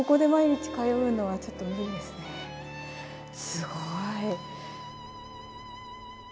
すごい。